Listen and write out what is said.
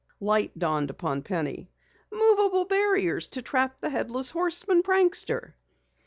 Light dawned upon Penny. "Moveable barriers to trap the Headless Horseman prankster!"